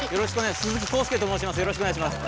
よろしくお願いします。